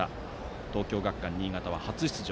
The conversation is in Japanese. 東京学館新潟は初出場。